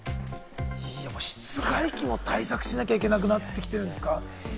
室外機も対策しなきゃいけなくなってきてるんですか。